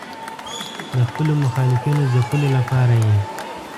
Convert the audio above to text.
د خپلو مخالفینو ځپلو لپاره یې.